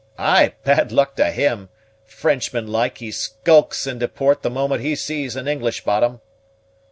"Ay, bad luck to him! Frenchman like, he skulks into port the moment he sees an English bottom."